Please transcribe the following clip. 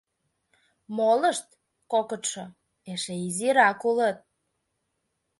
Молышт, кокытшо, эше изирак улыт.